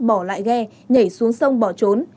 bỏ lại ghe nhảy xuống sông bỏ trốn